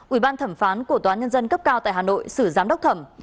ủy ban thẩm phán của tòa nhân dân cấp cao tại hà nội xử giám đốc thẩm